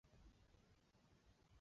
大理国时属乌蒙部。